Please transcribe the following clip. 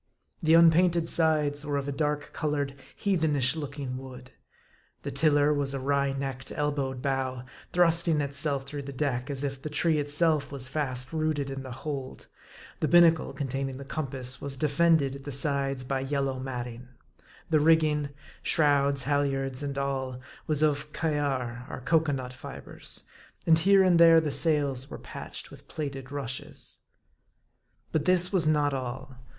The unpainted sides were of a dark colored, heathen ish looking wood. The tiller was a wry necked, elbowed bough, thrusting itself through the deck, as if the tree itself was fast rooted in the hold. The binnacle, containing the compass, was defended at the sides by yellow matting. The rigging shrouds, halyards and all was of " Kaiar," or cocoa nut fibres ; and here and there the sails were patched with plaited rushes. But this was not all.